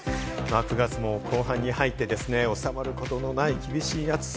９月も後半に入って、収まることのない厳しい暑さ。